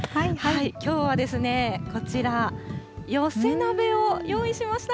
きょうはですね、こちら、寄せ鍋を用意しました。